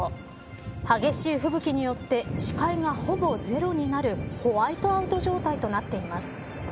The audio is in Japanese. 激しい吹雪によって視界がほぼゼロになるホワイトアウト状態となっています。